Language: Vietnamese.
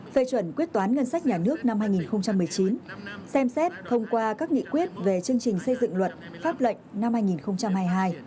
phê chuẩn quyết toán ngân sách nhà nước năm hai nghìn một mươi chín xem xét thông qua các nghị quyết về chương trình xây dựng luật pháp lệnh năm hai nghìn hai mươi hai